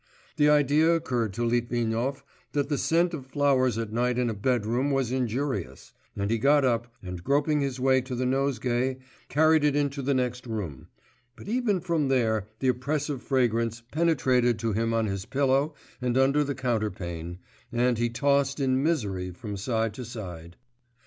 The idea occurred to Litvinov that the scent of flowers at night in a bedroom was injurious, and he got up, and groping his way to the nosegay, carried it into the next room; but even from there the oppressive fragrance penetrated to him on his pillow and under the counterpane, and he tossed in misery from side to side.